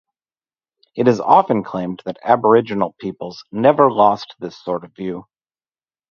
It is often claimed that aboriginal peoples never lost this sort of view.